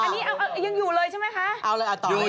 อันนี้ยังอยู่เลยใช่ไหมคะ